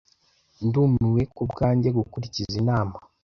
Ndumiwe kubwanjye gukurikiza inama